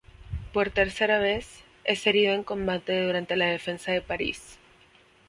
Por tercera vez, es herido en combate durante la defensa de París.